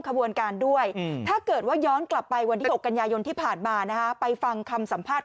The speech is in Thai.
ขบวนการด้วยถ้าเกิดว่าย้อนกลับไปวันที่๖กันยายนที่ผ่านมานะฮะไปฟังคำสัมภาษณ์